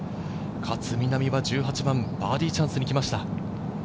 勝みなみは１８番バーディーチャンスにきました。